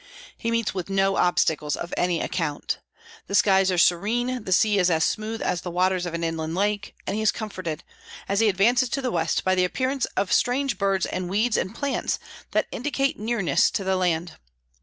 He meets with no obstacles of any account. The skies are serene, the sea is as smooth as the waters of an inland lake; and he is comforted, as he advances to the west, by the appearance of strange birds and weeds and plants that indicate nearness to the land.